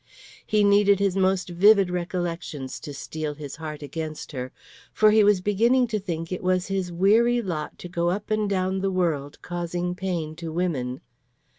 He needed his most vivid recollections to steel his heart against her; for he was beginning to think it was his weary lot to go up and down the world causing pain to women.